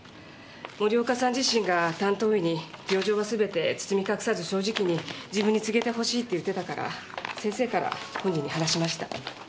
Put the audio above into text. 森岡さん自身が担当医に病状は全て包み隠さず正直に自分に告げてほしいって言ってたから先生から本人に話しました。